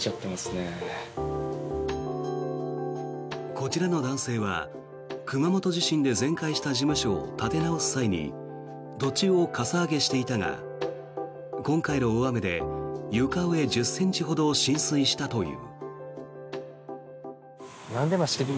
こちらの男性は熊本地震で全壊した事務所を建て直す際に土地をかさ上げしていたが今回の大雨で床上１０ｃｍほど浸水したという。